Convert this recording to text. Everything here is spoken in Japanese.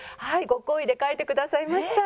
ご厚意で描いてくださいました。